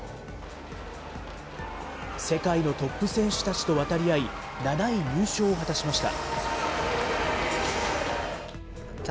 世界のトップ選手たちと渡り合い、７位入賞を果たしました。